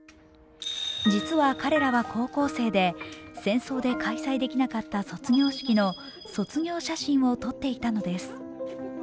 実は彼らは高校生で戦争で開催できなかった卒業式の卒業写真を撮っていたのです。